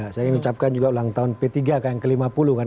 saya ingin ucapkan juga ulang tahun p tiga yang ke lima puluh kan